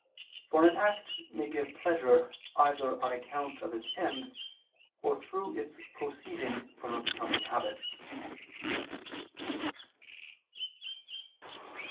For an act may give pleasure either on account of its end, or through its proceeding from a becoming habit.